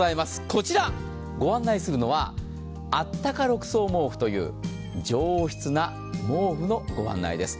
こちら、御案内するのは、あったか６層毛布という上質な毛布のご案内です。